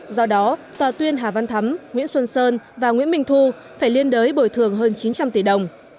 do đó tòa tuyên hà văn thắm nguyễn xuân sơn và nguyễn minh thu phải liên đới bồi thường hơn chín trăm linh tỷ đồng